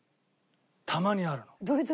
たまにあるの。